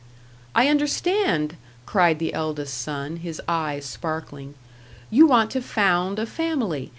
"I understand," cried the eldest son, his eyes sparkling; "you want to found a family.